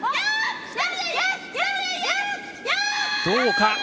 どうか。